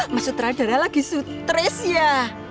mas sutradara lagi stres ya